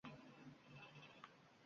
O’gay onam zo’rlab, zug’umlab meni: